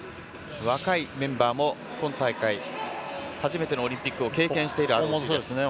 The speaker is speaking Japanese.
若いメンバーも今大会初めてのオリンピックを経験しています。